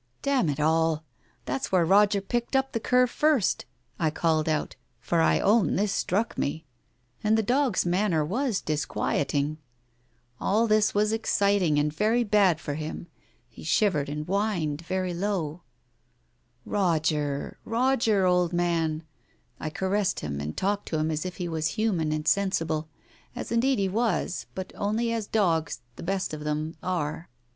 "Damn it all, that's where Roger picked up the cur first," I called out, for I own this struck me. And the dog's manner was disquieting. All this was exciting p Digitized by Google 2io. TALES OF THE UNEASY and very bad for him. He shivered and whined very low. " Roger, Roger, old man 1 " I caressed him and talked to him as if he was human and sensible, as indeed he was, but only as dogs — the best of them — are.